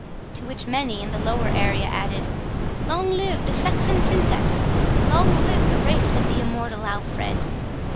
To which many in the lower area added, "Long live the Saxon Princess! long live the race of the immortal Alfred!"